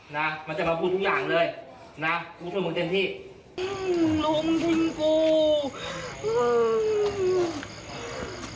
นะมันจะมาพูดทุกอย่างเลยนะกูช่วยมึงเต็มที่